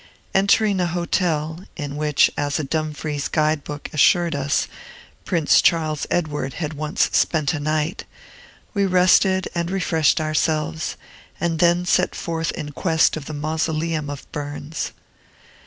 Entering a hotel (in which, as a Dumfries guide book assured us, Prince Charles Edward had once spent a night), we rested and refreshed ourselves, and then set forth in quest of the mausoleum of Burns.